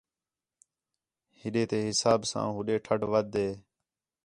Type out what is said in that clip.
ہِݙے تے حِساب ساں ہُݙے ٹَھݙ وَدھ ہِے